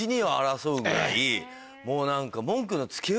もう何か。